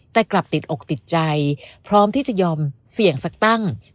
แต่กลับติดอกติดใจพร้อมที่จะยอมเสี่ยงสักตั้ง